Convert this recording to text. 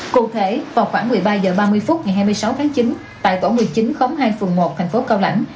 cụ thể vào khoảng một mươi ba h ba mươi phút ngày hai mươi sáu tháng chín tại tổ một mươi chín khóm hai phường một thành phố cao lãnh